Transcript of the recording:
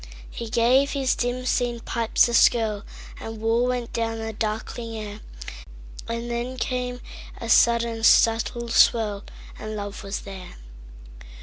He gave his dim seen pipes a skirlAnd war went down the darkling air; Then came a sudden subtle swirl, And love was there.